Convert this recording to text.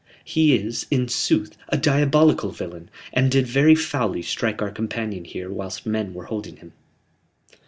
"He is, in sooth, a diabolical villain, and did very foully strike our companion here whilst men were holding him."